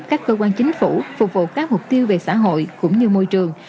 các cơ quan chính phủ phục vụ các mục tiêu về xã hội cũng như môi trường